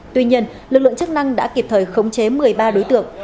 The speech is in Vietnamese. tuy nhiên lực lượng chức năng đã kịp thời khống chế một mươi ba đối tượng